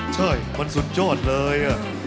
ใช่มันสุดโจทย์เลย